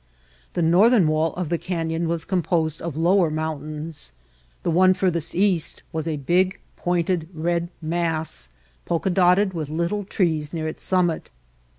The northern wall of the canyon was composed of lower mountains. The one furthest east was a big, pointed, red mass, polka dotted with little trees near its summit.